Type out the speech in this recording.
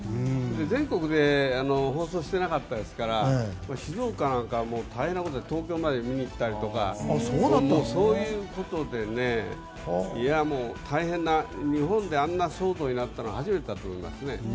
全国で放送してなかったですから大変なことで東京まで見に来たりとかもうそういうことで大変な、日本であんな騒動になったのは初めてだと思いますね。